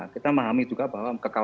kita memahami juga bahwa